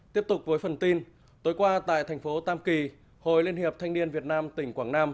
tiếp tục với phần tin tối qua tại thành phố tam kỳ hội liên hiệp thanh niên việt nam tỉnh quảng nam